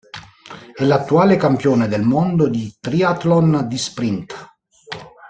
È l'attuale Campione del Mondo di Triathlon di sprint.